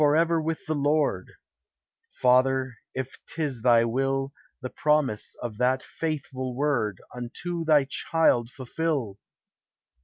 405 " Forever with the Lord;" Father, if 't is thy will, The promise of that faithful word Unto thy child fulfil!